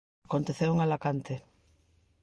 Aconteceu en Alacante.